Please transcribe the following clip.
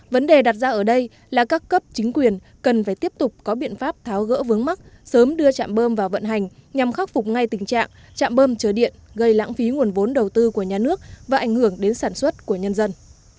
vấn đề đặt ra ở đây là các cấp chính quyền cần phải tiếp tục có biện pháp tháo gỡ vướng mắc sớm đưa chạm bơm vào vận hành nhằm khắc phục ngay tình trạng trạm bơm chờ điện gây lãng phí nguồn vốn đầu tư của nhà nước và ảnh hưởng đến sản xuất của nhân dân